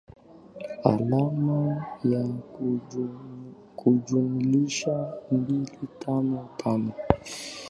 alama ya kujumlisha mbili tano tano